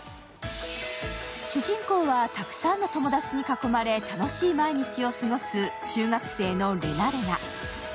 主人公はたくさんの友達に囲まれ楽しい毎日を過ごす中学生のレナレナ。